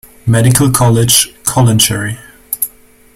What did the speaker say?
Medical College, Kolenchery.